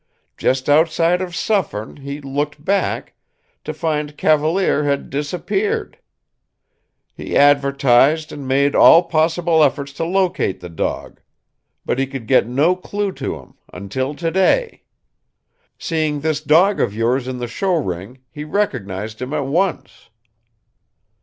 Just outside of Suffern, he looked back to find Cavalier had disappeared. He advertised, and made all possible efforts to locate the dog. But he could get no clew to him, until to day. Seeing this dog of yours in the show ring, he recognized him at once."